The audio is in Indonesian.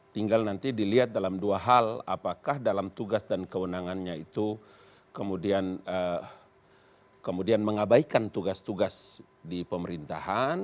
tinggal nanti dilihat dalam dua hal apakah dalam tugas dan kewenangannya itu kemudian mengabaikan tugas tugas di pemerintahan